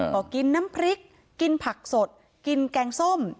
ก็กินน้ำพริกกินผักสดกินแกงส้ม